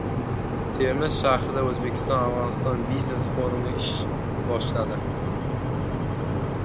Termiz shahrida "O‘zbekiston - Afg‘oniston" biznes forumi ish boshladi